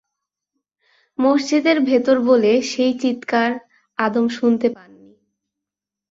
মসজিদের ভেতরে বলে সেই চিৎকার আদম শুনতে পাননি।